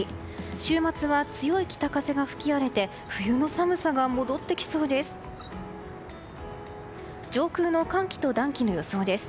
週末は強い北風が吹き荒れて冬の寒さが戻ってきそうです。